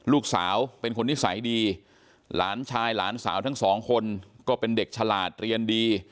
ลูกสาวเป็นคนนิสัยดีหลานชายหลานสาวทั้งสองคนก็เป็นเด็กฉลาดเรียนดี